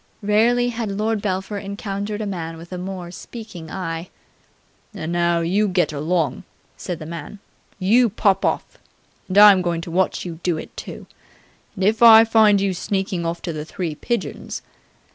Rarely had Lord Belpher encountered a man with a more speaking eye. "And now you get along," said the man. "You pop off. And I'm going to watch you do it, too. And, if I find you sneakin' off to the Three Pigeons